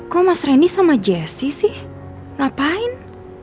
kok mas reni sama jesse sih ngapain